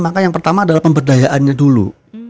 maka yang pertama adalah pemberdayaannya dulu